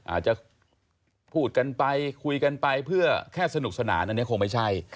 อาจจะพูดกันไปคุยกันไปเพื่อแค่สนุกสนานอันนี้คงไม่ใช่